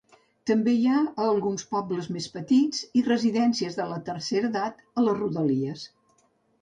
També hi ha alguns pobles més petits i residències de la tercera edat a les rodalies.